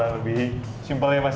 lebih simpel ya mas